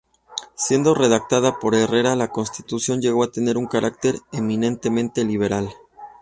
Siendo redactada por Herrera, la Constitución llegó a tener un carácter eminentemente liberal.